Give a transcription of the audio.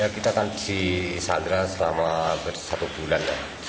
kita akan disandara selama satu bulan